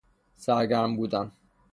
سرگرم بودن